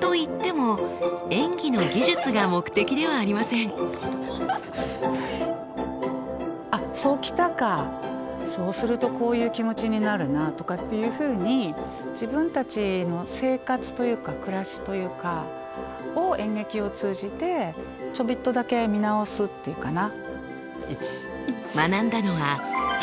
といっても演技の技術が目的ではありません。とかっていうふうに自分たちの生活というか暮らしというかを演劇を通じてちょびっとだけ見直すっていうかな。